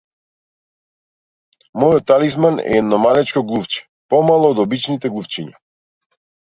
Мојот талисман е едно малечко глувче, помало од обичните глувчиња.